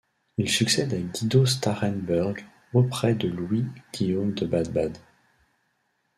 Il succède à Guido Starhemberg auprès de Louis-Guillaume de Bade-Bade.